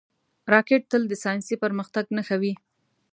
راکټ تل د ساینسي پرمختګ نښه وي